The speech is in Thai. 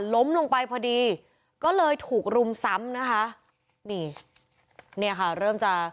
ล้มลงไปพอดีก็เลยถูกรุมซ้ำนะคะนี่เนี่ยค่ะเริ่มจะ